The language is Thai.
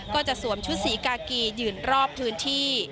ก็จะสวมชุดศรีกากียืนรอบพื้นที่